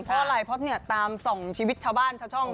เพราะอะไรเพราะตาม๒ชีวิตชาวบ้านชาวช่อง